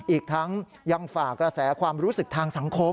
อีกทั้งยังฝากกระแสความรู้สึกทางสังคม